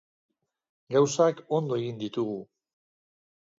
Gauzak ondo egin ditugu.